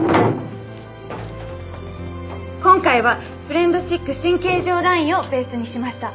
今回はフレンドシック新形状ラインをベースにしました。